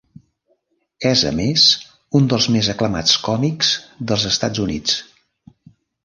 És, a més, un dels més aclamats còmics dels Estats Units.